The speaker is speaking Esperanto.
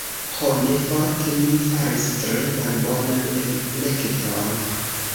Ho, ne forte, mi faris tre malbonan elekton.